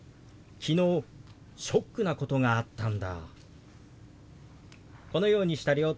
昨日ショックなことがあったんだ。